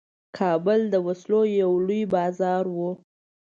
کابل د وسلو یو لوی بازار وو.